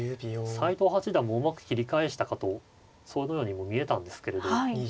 斎藤八段もうまく切り返したかとそのようにも見えたんですけれど。